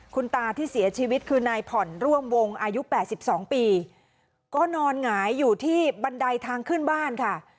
คุณตาที่เสียชีวิตคือนายผ่อนร่วมวงอายุ๘๒ปีก็นอนหงายอยู่ที่บันไดทางขึ้นบ้านค่ะ